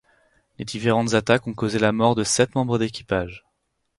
Les différentes attaques ont causé la mort de sept membres d'équipage.